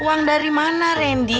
uang dari mana randy